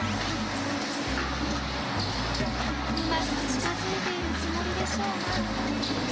うまく近づいているつもりでしょうが。